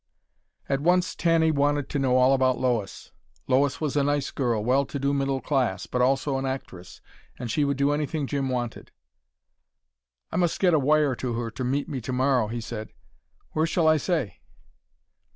At once Tanny wanted to know all about Lois. Lois was a nice girl, well to do middle class, but also an actress, and she would do anything Jim wanted. "I must get a wire to her to meet me tomorrow," he said. "Where shall I say?"